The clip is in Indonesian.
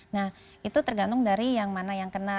nah itu tergantung dari yang mana yang kena